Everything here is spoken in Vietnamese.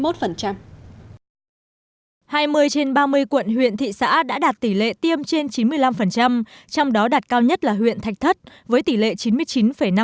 hai mươi trên ba mươi quận huyện thị xã đã đạt tỷ lệ tiêm trên chín mươi năm trong đó đạt cao nhất là huyện thạch thất với tỷ lệ chín mươi chín năm